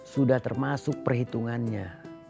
sudah termasuk perhitungannya